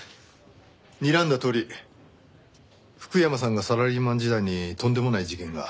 にらんだとおり福山さんがサラリーマン時代にとんでもない事件が。